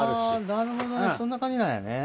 なるほどねそんな感じなんやね。